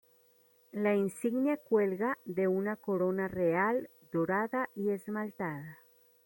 La insignia cuelga de una corona real dorada y esmaltada.